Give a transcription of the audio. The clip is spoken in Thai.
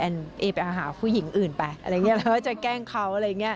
แอ้นไปอาหารผู้หญิงอื่นไปเราก็จะแกล้งเขาอะไรอย่างนี้